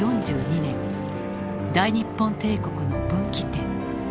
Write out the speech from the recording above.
「大日本帝国の分岐点」。